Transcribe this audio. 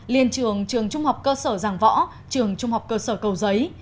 liên trường trường trung học cơ sở giảng võ trường trung học cơ sở cầu giấy